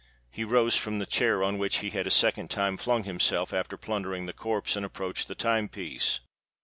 He rose from the chair, on which he had a second time flung himself, after plundering the corpse, and approached the time piece.